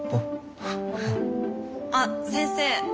あっ先生。